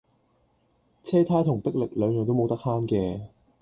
車呔同迫力兩樣都冇得慳嘅